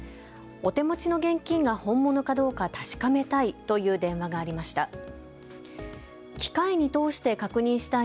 お手持ちの現金が本物かどうか確かめたいという電話がありました。